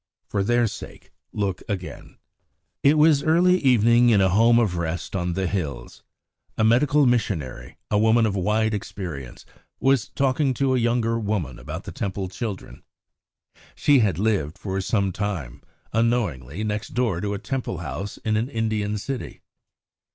For their sake look again. It was early evening in a home of rest on the hills. A medical missionary, a woman of wide experience, was talking to a younger woman about the Temple children. She had lived for some time, unknowingly, next door to a Temple house in an Indian city.